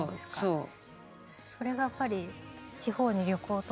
そう。